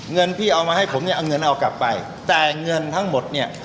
เงินพี่เอามาให้ผมเนี่ยเอาเงินเอากลับไปแต่เงินทั้งหมดเนี่ย